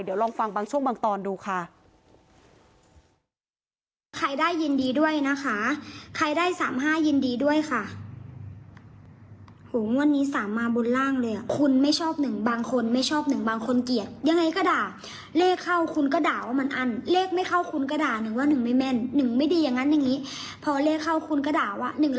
เดี๋ยวลองฟังบางช่วงบางตอนดูค่ะ